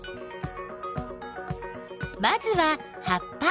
まずは葉っぱ。